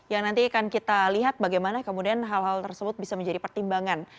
yang nanti akan kita lihat bagaimana kemudian hal hal tersebut bisa menjadi pertimbangan